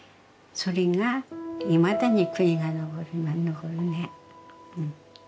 それがいまだに悔いが残るね。